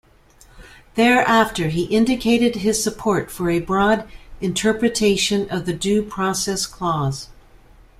Thereafter, he indicated his support for a broad interpretation of the due process clause.